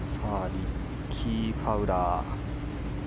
リッキー・ファウラー。